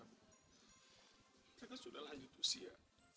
mereka sudah lanjut usia